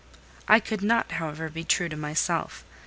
I could not, however, be true to myself.